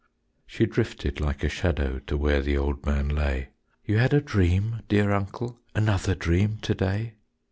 She drifted like a shadow To where the old man lay. "You had a dream, dear Uncle, Another dream to day?"